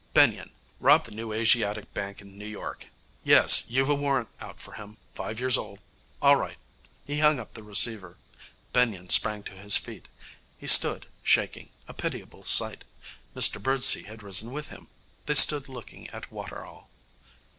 Benyon. Robbed the New Asiatic Bank in New York. Yes, you've a warrant out for him, five years old.... All right.' He hung up the receiver. Benyon sprang to his feet. He stood, shaking, a pitiable sight. Mr Birdsey had risen with him. They stood looking at Waterall.